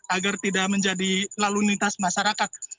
agar tidak menjadi lalu lintas masyarakat